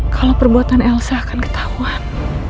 kalau perbuatan elsa akan ketahuan